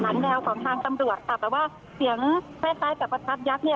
ครับแล้วขออนุญาตตัดภาพไปสักแป๊บนึงนะครับตอนนี้